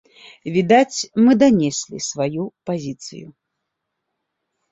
Відаць, мы данеслі сваю пазіцыю.